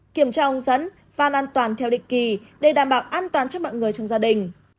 kiểm tra ông dẫn phan an toàn theo định kỳ để đảm bảo an toàn cho mọi người trong gia đình